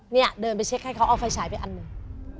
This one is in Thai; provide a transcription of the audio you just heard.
เนี่ยเดินไปเช็คให้เขาเอาไฟฉายไปอันหนึ่ง